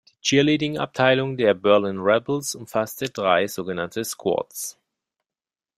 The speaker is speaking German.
Die Cheerleading-Abteilung der Berlin Rebels umfasste drei sogenannte Squads.